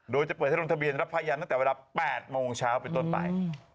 โดยจะเปิดให้ลงทะเบียนรับพยานตั้งแต่เวลา๘โมงเช้าเป็นต้นไป